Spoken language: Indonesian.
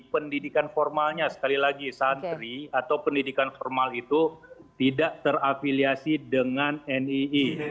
pendidikan formalnya sekali lagi santri atau pendidikan formal itu tidak terafiliasi dengan nii